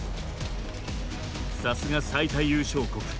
さすが最多優勝国。